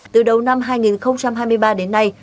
từ đầu năm hai nghìn hai mươi ba đến nay